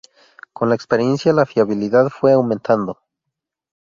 Con la experiencia la fiabilidad fue aumentando.